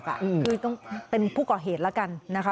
คือต้องเป็นผู้ก่อเหตุแล้วกันนะคะ